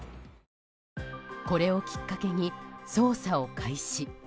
これをきっかけに捜査を開始。